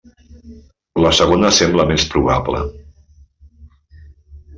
La segona sembla més probable.